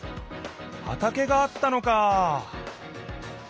はたけがあったのか。